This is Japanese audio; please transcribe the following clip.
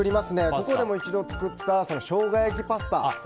ここでも一度作ったショウガ焼きパスタ。